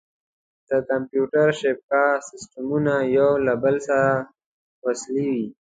د کمپیوټر شبکه سیسټمونه یو له بل سره وصلوي.